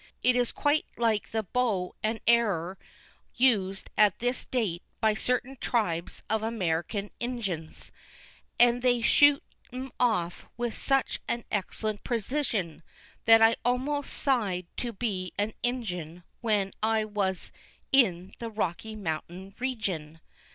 It is quite like the bow and arrer used at this date by certain tribes of American Injuns, and they shoot 'em off with such an excellent precision that I almost sigh'd to be an Injun when I was in the Rocky Mountain regin.